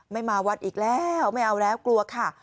ไม่มาวัดอีกแล้วไม่เอาแล้วกลัวค่ะ